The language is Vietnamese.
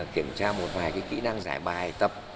kiểm tra một vài kỹ năng giải bài tập